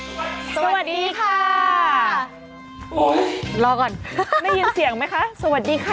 สวัสดีค่ะสวัสดีค่ะรอก่อนไม่ยินเสียงไหมคะสวัสดีค่ะ